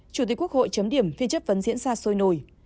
chủ tịch quốc hội chấm điểm phiên chất vấn diễn ra sôi nổi